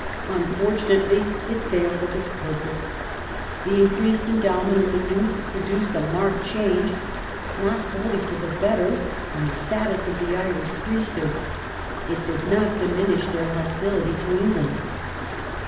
Unfortunately it failed of its purpose. The increased endowment of Maynooth produced a marked change — not wholly for the better — in the status of the Irish priesthood; it did not diminish their hostility to England.